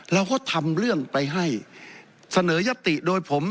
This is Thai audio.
เราก็ทำเรื่องไปให้เสนอยัตติโดยผม